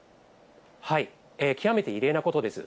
極めて異例なことです。